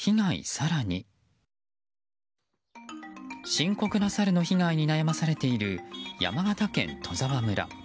深刻なサルの被害に悩まされている山形県戸沢村。